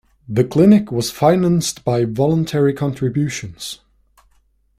The clinic was financed by voluntary contributions.